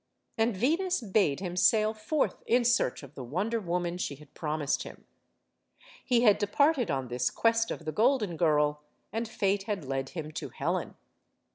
And Venus bade him sail forth in search of the Wonder Woman she had promised him. He had de parted on this Quest of the Golden Girl, and fate had led him to Helen.